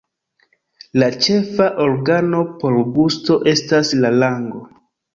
La ĉefa organo por gusto estas la lango.